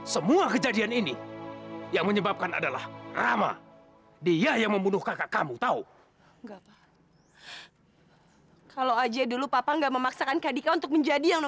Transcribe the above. sampai jumpa di video selanjutnya